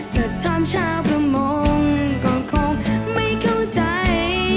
ถ้าถามเช้าประมงก็คงไม่เข้าใจ